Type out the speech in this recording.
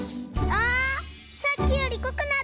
あさっきよりこくなった！